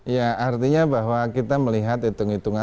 ya artinya bahwa kita melihat hitung hitungan